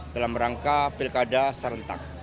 dalam rangka pilkada serentak